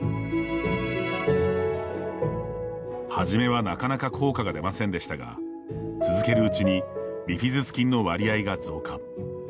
初めは、なかなか効果が出ませんでしたが続けるうちにビフィズス菌の割合が増加。